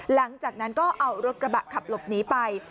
หลังจากนั้นก็เอารถกระบะขับหลบหนีไป